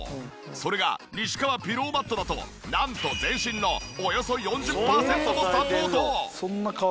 それが西川ピローマットだとなんと全身のおよそ４０パーセントもサポート！